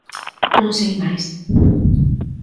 Non sei máis.